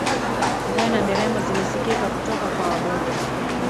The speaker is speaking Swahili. gwe na nderemo zilisikika kutoka kwa wabunge